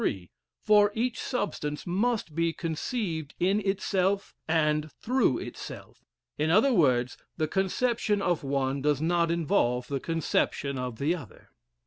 three; for each substance must be conceived in itself and through itself; in other words, the conception of one does not involve the conception of the other.